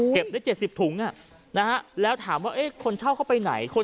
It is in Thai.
เจ็บได้๗๐ถุงอะนะฮะแล้วถามว่าคนเช่าก็ไปไหนคน